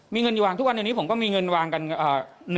มีเงินอยู่วางทุกวันเดี๋ยวนี้ผมก็มีเงินวางกัน